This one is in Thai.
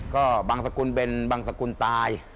ก็บางสกุลเป็นบางสกุลตาย